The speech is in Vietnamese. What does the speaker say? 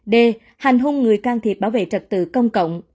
d hành hung người can thiệp bảo vệ trật tự công cộng